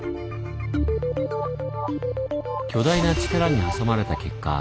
巨大な力に挟まれた結果